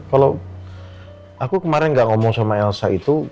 kalau aku kemarin gak ngomong sama elsa itu